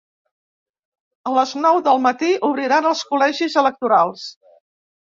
A les nou del matí obriran els col·legis electorals.